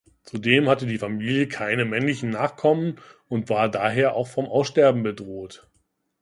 Zudem hatte die Familie keine männlichen Nachkommen und war daher auch vom Aussterben bedroht.